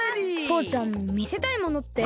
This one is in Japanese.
とうちゃんみせたいものって？